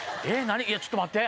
ちょっと待って！